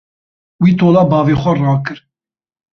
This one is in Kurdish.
Wî tola bavê xwe rakir.